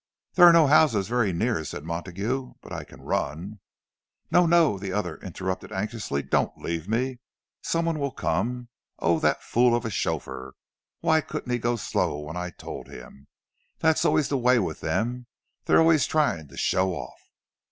"There are no houses very near," said Montague. "But I can run—" "No, no!" the other interrupted, anxiously. "Don't leave me! Some one will come.—Oh, that fool of a chauffeur—why couldn't he go slow when I told him? That's always the way with them—they're always trying to show off."